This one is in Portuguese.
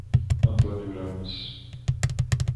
Antônio Ramos